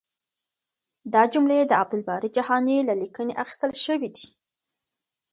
دا جملې د عبدالباري جهاني له لیکنې اخیستل شوې دي.